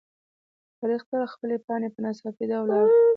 تاریخ تل خپلې پاڼې په ناڅاپي ډول اړوي.